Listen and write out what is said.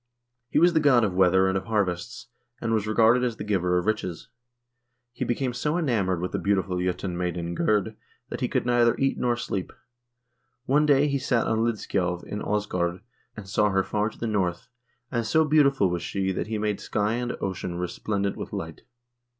He was the god of weather and of harvests, and was regarded as the giver of riches. He became so enamoured with the beautiful J0tun maiden Gerd that he could neither eat nor sleep. One day he sat on Lidskjalv in Aasgaard and saw her far to the north, and so beautiful was she that she made sky and ocean resplendent with light.